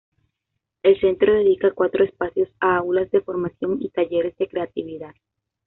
El centro dedica cuatro espacios a aulas de formación y talleres de creatividad.